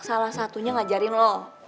salah satunya ngajarin lo